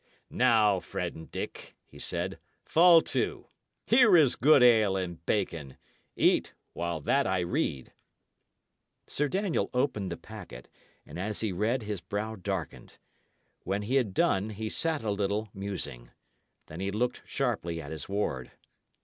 "Now, friend Dick," he said, "fall to. Here is good ale and bacon. Eat, while that I read." Sir Daniel opened the packet, and as he read his brow darkened. When he had done he sat a little, musing. Then he looked sharply at his ward.